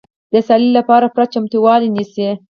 د سیالۍ لپاره پوره چمتووالی نیسي.